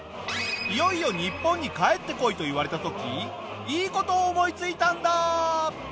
いよいよ日本に帰ってこいと言われた時いい事を思いついたんだ！